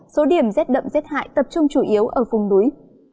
số điểm z đậm z hại tập trung chủ yếu ở vùng núi